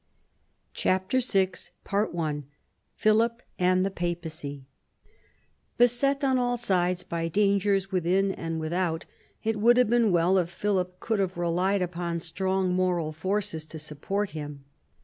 CHAPTER VI PHILIP AND THE PAPACY Beset on all sides by dangers within and without, it would have been well if Philip could have relied upon strong moral forces to support him.